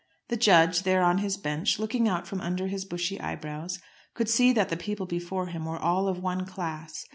The judge, there on his bench, looking out from under his bushy eyebrows, could see that the people before him were all of one class.